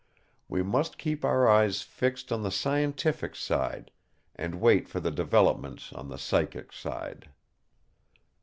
We must keep our eyes fixed on the scientific side, and wait for the developments on the psychic side.